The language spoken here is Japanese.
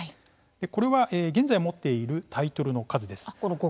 これは現在持っているタイトルの数です。